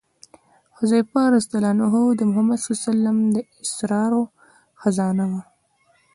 حذیفه رض د محمد صلی الله علیه وسلم د اسرارو خزانه وه.